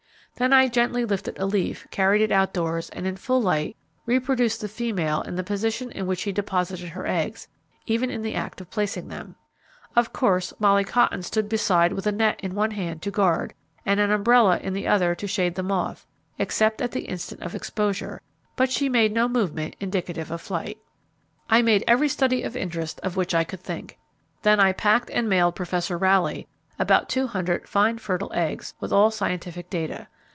Then I gently lifted a leaf, carried it outdoors and, in full light, reproduced the female in the position in which she deposited her eggs, even in the act of placing them. Of course, Molly Cotton stood beside with a net in one hand to guard, and an umbrella in the other to shade the moth, except at the instant of exposure; but she made no movement indicative of flight. I made every study of interest of which I could think. Then I packed and mailed Professor Rowley about two hundred fine fertile eggs, with all scientific data.